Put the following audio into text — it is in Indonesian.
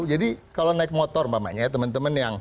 jadi kalau naik motor teman teman